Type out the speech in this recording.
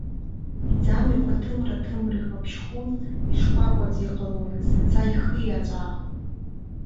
Иӡамҩақәа ҭымра-ҭымра иҟаԥшьхон, ишкәакәаӡа иҟалон, зынӡа ихиаҵәаахон.